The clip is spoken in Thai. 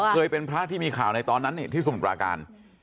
เคยเป็นพระที่มีข่าวในตอนนั้นที่สมุทรปราการ